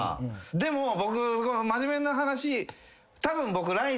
でも僕真面目な話たぶん。